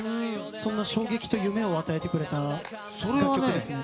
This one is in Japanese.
そんな衝撃と夢を与えてくれた楽曲ですね。